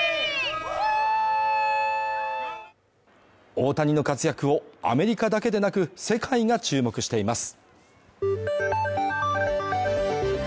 大谷の活躍を、アメリカだけでなく、世界が注目しています。